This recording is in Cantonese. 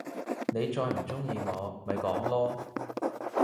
你再唔中意我，咪講囉！